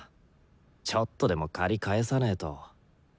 ちょっとでも借り返さねと。